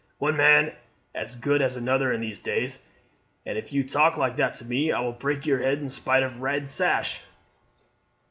"One man's as good as another in these days, and if you talk like that to me I will break your head in spite of your red sash."